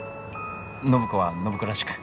暢子は暢子らしく。